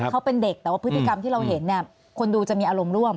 ของเด็กพิธีกรรมที่เราเห็นเนี่ยคนดูจะมีอารมณ์ร่วม